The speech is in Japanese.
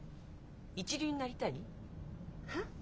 一流になりたい？はっ？